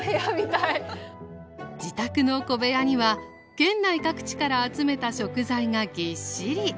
自宅の小部屋には県内各地から集めた食材がぎっしり。